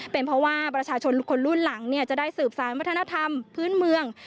เป็นเพราะว่าประชาชนคนรุ่นหลังจะได้สืบสารวัฒนธรรมพื้นเมือง